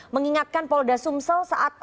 mengingatkan polda sumsel saat